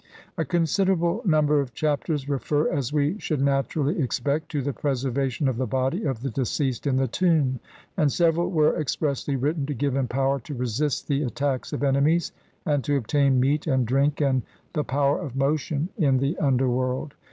A considerable number of Chapters refer, as we should naturally expect, to the preservation of the body of the deceased in the tomb, and several were expressly written to give him power to resist the at tacks of enemies, and to obtain meat, and drink, and the power of motion in the underworld.